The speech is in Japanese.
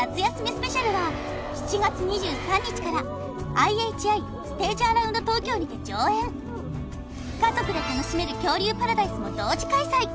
スペシャルは７月２３日からＩＨＩステージアラウンド東京にて上演家族で楽しめる恐竜パラダイスも同時開催